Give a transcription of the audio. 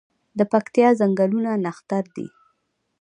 د پکتیا ځنګلونه نښتر دي